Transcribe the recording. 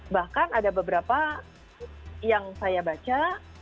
bahkan ada beberapa yang saya baca